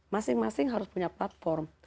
masing masing harus punya platform